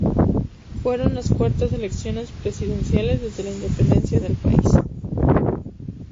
Fueron las cuartas elecciones presidenciales desde la independencia del país.